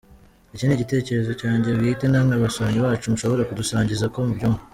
Iki ni igitekerezo cyanjye bwite, namwe basomyi bacu mushobora kudusangiza uko mubyumva.